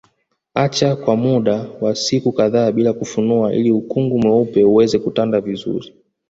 Acha kwa muda wa siku kadhaa bila kufunua ili ukungu mweupe uweze kutanda vizuri